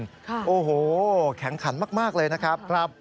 ค่ะโอ้โฮแข็งขันมากเลยนะครับครับ